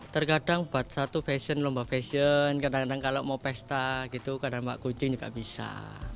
terkadang buat satu fashion lomba fashion kadang kadang kalau mau pesta gitu kadang pak kucing juga bisa